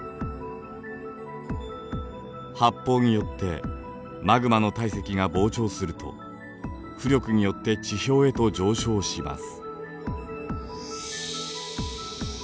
発泡によってマグマの体積が膨張すると浮力によって地表へと上昇します。